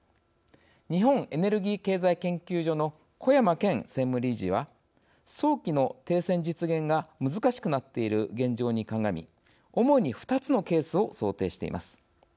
日本エネルギー経済研究所の小山堅専務理事は早期の停戦実現が難しくなっている現状に鑑み主に２つのケースを想定しています。